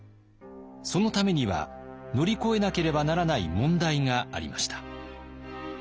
そのためには乗り越えなければならない問題がありました。